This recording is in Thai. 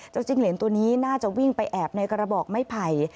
จิ้งเหรนตัวนี้น่าจะวิ่งไปแอบในกระบอกไม้ไผ่